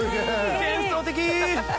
幻想的！